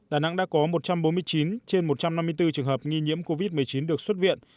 đà nẵng đã có một trăm bốn mươi chín trên một trăm năm mươi bốn trường hợp nghi nhiễm covid một mươi chín được xuất viện